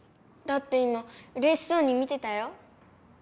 だって今うれしそうに見てたよ。